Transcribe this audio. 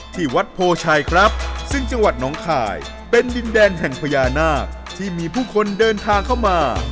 ที่วัดโพชัยครับซึ่งจังหวัดน้องคายเป็นดินแดนแห่งพญานาคที่มีผู้คนเดินทางเข้ามา